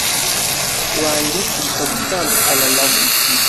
wanjye kuruta gutandukana na we